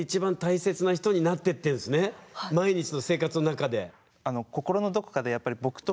毎日の生活の中で。